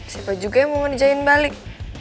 siapa juga yang mau ngerjain balik